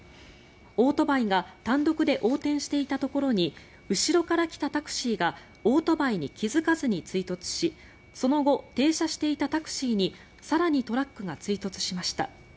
オートバイが単独で横転していたところに後ろから来たタクシーがオートバイに気付かずに追突しその後、停車していたタクシーに更にトラックが追突しました。